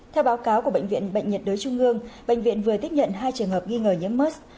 theo báo cáo của bệnh viện bệnh nhiệt đới trung ương bệnh viện vừa tiếp nhận hai trường hợp nghi ngờ nhiễm mỡ